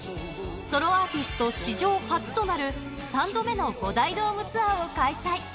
ソロアーティスト史上初となる３度目の５大ドームツアーを開催。